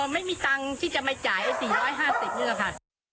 ไม่มีตังค์ที่จะมาจ่าย๔๕๐นี่แหละค่ะ